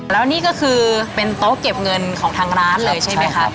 แล้วนี่ก็คือเป็นโต๊ะเก็บเงินของทางร้านเลยใช่ไหมคะ